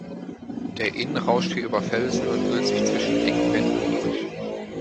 Der Inn rauscht hier über Felsen und wühlt sich zwischen engen Wänden durch.